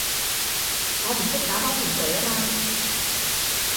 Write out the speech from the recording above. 我唔識打包程序吖嘛